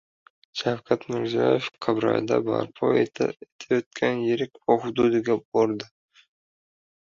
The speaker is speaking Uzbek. Shavkat Mirziyoyev Qibrayda barpo etilayotgan yirik bog‘ hududiga bordi